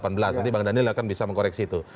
nanti bang daniel akan bisa mengkoreksi itu